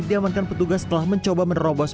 diamankan petugas telah mencoba menerobos